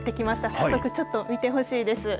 早速ちょっと見てほしいです。